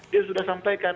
dia sudah sampaikan